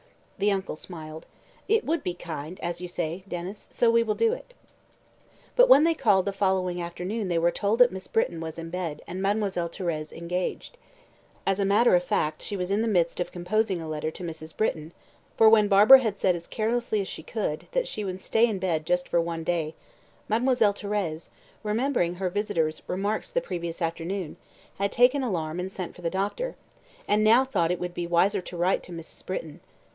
The uncle smiled. "It would be kind, as you say, Denys, so we will do it." But when they called the following afternoon they were told that Miss Britton was in bed and Mademoiselle Thérèse engaged. As a matter of fact, she was in the midst of composing a letter to Mrs. Britton, for when Barbara had said as carelessly as she could, that she would stay in bed just for one day, Mademoiselle Thérèse, remembering her visitor's "remarks the previous afternoon, had taken alarm and sent for the doctor, and now thought it would be wiser to write to Mrs. Britton.